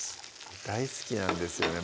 大好きなんですよね